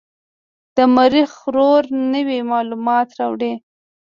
د مریخ روور نوې معلومات راوړي.